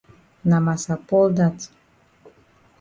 Na massa Paul dat.